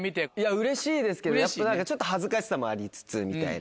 うれしいですけどやっぱ恥ずかしさもありつつみたいな。